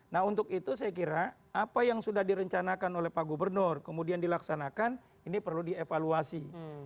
nah untuk itu saya kira apa yang sudah direncanakan oleh pak gubernur kemudian dilaksanakan ini perlu dievaluasi